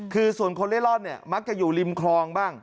คือส่วนคนเล่นร่อนเนี่ยมักจะอยู่ริมคลองบ้าง